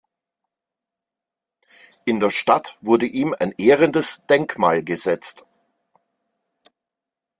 In der Stadt wurde ihm ein ehrendes Denkmal gesetzt.